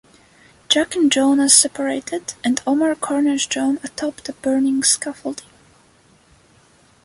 Jack and Joan are separated, and Omar corners Joan atop the burning scaffolding.